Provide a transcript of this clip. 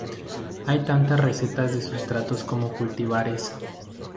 Hay tantas recetas de sustratos como cultivares.